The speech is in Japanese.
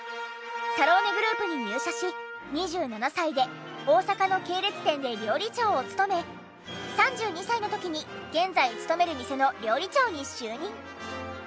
サローネグループに入社し２７歳で大阪の系列店で料理長を務め３２歳の時に現在勤める店の料理長に就任。